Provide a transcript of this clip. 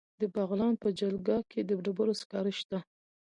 د بغلان په جلګه کې د ډبرو سکاره شته.